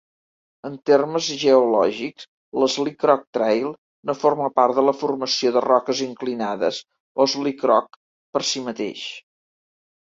En termes geològics, l'Slickrock Trail no forma part de la formació de roques inclinades, o "slickrock", per si mateix.